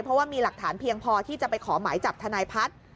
เพราะว่ามีหลักฐานเพียงพอที่จะไปขอหมายจับทนายพัฒน์